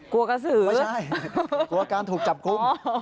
กลัวกระสือไม่ใช่กลัวการถูกจับกลุ่ม